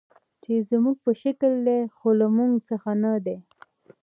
چې زموږ په شکل دي، خو له موږ څخه نه دي.